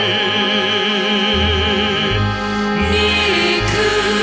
นี่คือมณิทางที่หาดมุม